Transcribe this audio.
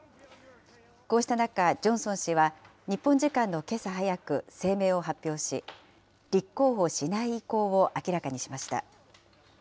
こうした中、ジョンソン氏は、日本時間のけさ早く、声明を発表し、立候補しない意向を明らかにしました。